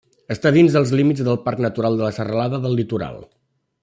Està dins els límits del Parc Natural de la Serralada del Litoral.